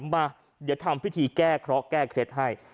เดี๋ยวทำพิธีแก้เคร็ดให้